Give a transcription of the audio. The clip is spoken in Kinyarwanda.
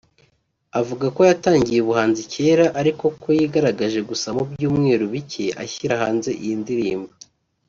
avuga ko yatangiye ubuhanzi kera ariko ko yigaragaje gusa mu byumweru bike ashyira hanze iyi ndirimbo